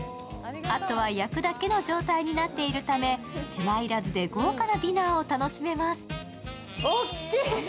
あとは焼くだけの状態になっているため、手間いらずで豪華なディナーを楽しめます。